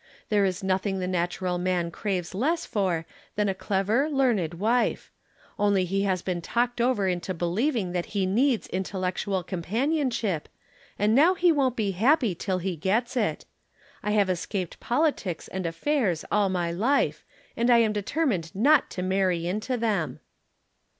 There is nothing the natural man craves less for than a clever, learned wife. Only he has been talked over into believing that he needs intellectual companionship, and now he won't be happy till he gets it. I have escaped politics and affairs all my life, and I am determined not to marry into them."